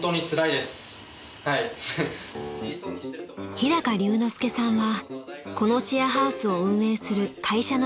［日高隆之介さんはこのシェアハウスを運営する会社の代表］